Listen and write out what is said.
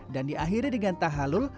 dan diakhiri dengan tahalul